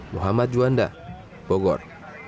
muhammad juanda bogor